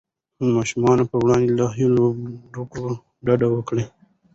د ماشومانو پر وړاندې له وهلو ډبولو ډډه وکړئ.